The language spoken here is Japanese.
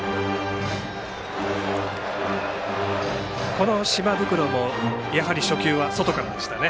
この島袋もやはり初球は外からでしたね。